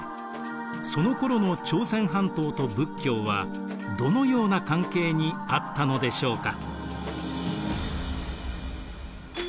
そのころの朝鮮半島と仏教はどのような関係にあったのでしょうか。